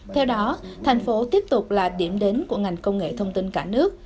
theo đó thành phố tiếp tục là điểm đến của ngành công nghệ thông tin